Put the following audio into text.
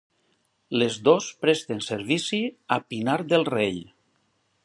Les dos presten servici a Pinar del Rey.